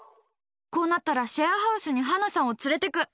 こうなったらシェアハウスにハナさんを連れてく！